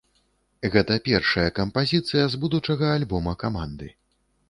Гэта першая кампазіцыя з будучага альбома каманды.